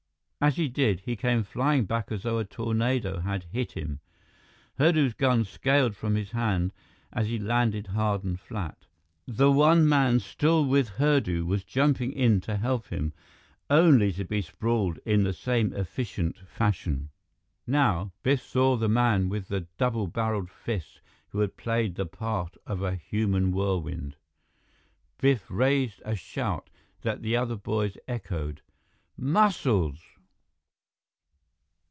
As he did, he came flying back as though a tornado had hit him. Hurdu's gun scaled from his hand as he landed hard and flat. The one man still with Hurdu was jumping in to help him, only to be sprawled in the same efficient fashion. Now, Biff saw the man with the double barreled fists who had played the part of a human whirlwind. Biff raised a shout that the other boys echoed: "Muscles!"